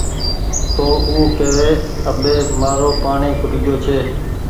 تو او ڪيوي اٻي مآرو پآڻيٚ کٽگيو ڇي